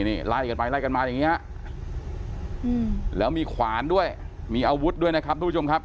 นี่ไล่กันไปไล่กันมาอย่างนี้แล้วมีขวานด้วยมีอาวุธด้วยนะครับทุกผู้ชมครับ